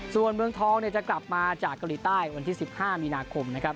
ส่วนเมืองทองจะกลับมาจากเกาหลีใต้วันที่๑๕มีนาคมนะครับ